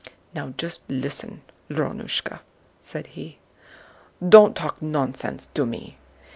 "Now just listen, Drónushka," said he. "Don't talk nonsense to me.